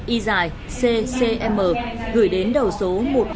isai ccm gửi đến đầu số một nghìn bốn trăm bốn mươi một